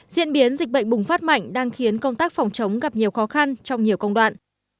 diễn biến dịch bệnh bùng phát mạnh đang khiến công tác phòng chống gặp nhiều khó khăn trong nhiều công đoạn